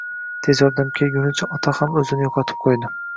Tez yordam kelgunicha ota ham o`zini yo`qotib qo`ydi